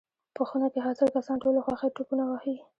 په خونه کې حاضر کسان ټول له خوښۍ ټوپونه وهي.